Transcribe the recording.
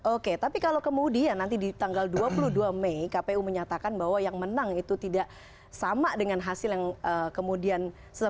oke tapi kalau kemudian nanti di tanggal dua puluh dua mei kpu menyatakan bahwa yang menang itu tidak sama dengan hasil yang kemudian